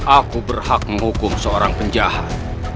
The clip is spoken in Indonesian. aku berhak menghukum seorang penjahat